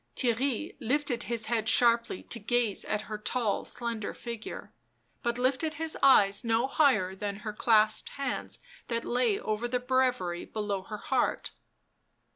Theirry lifted his head sharply to gaze at her tall slender figure ; but lifted his eyes no higher than her clasped hands that lay over the breviary below her heart.